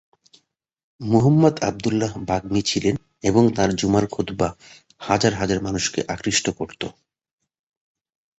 মুহাম্মদ আবদুল্লাহ বাগ্মী ছিলেন এবং তার জুমার খুতবা হাজার হাজার মানুষকে আকৃষ্ট করতো।